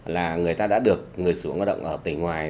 là người ta đã được người sử dụng lao động ở tỉnh ngoài